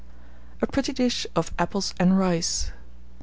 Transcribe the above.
A PRETTY DISH OF APPLES AND RICE.